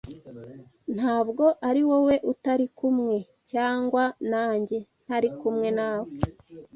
Ntabwo ari wowe utari kumwe, cyangwa nanjye ntari kumwe nawe.